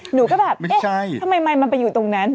หนูก็แบบเอ๊ะทำไมมันไปอยู่ตรงนั้น